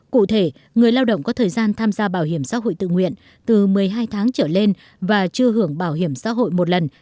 cụ thể người lao động có thời gian tham gia bảo hiểm xã hội tự nguyện từ một mươi hai tháng trở lên và chưa hưởng bảo hiểm xã hội một lần